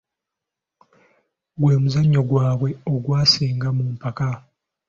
Gwe muzannyo gwaabwe ogwasinga mu mpaka.